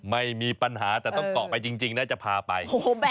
ไม่มีปัญหาแต่ต้องเกาะไปจริงนะจะพาไป